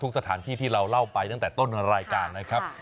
สถานที่ที่เราเล่าไปตั้งแต่ต้นรายการนะครับ